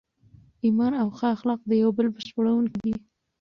ایمان او ښه اخلاق د یو بل بشپړونکي دي.